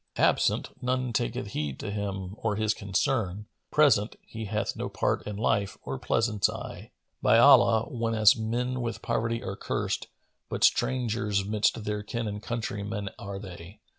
Absent, none taketh heed to him or his concerns; Present, he hath no part in life or pleasance aye. By Allah, whenas men with poverty are cursed, But strangers midst their kin and countrymen are they!"